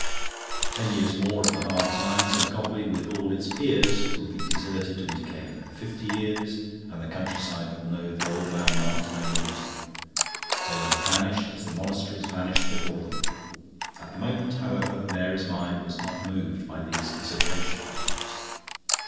Ten years more of the hard times and Gobley, with all its peers, will be deserted and decaying. Fifty years, and the countryside will know the old landmarks no more. They will have vanished as the monasteries vanished before them. At the moment, however, Mary's mind was not moved by these considerations.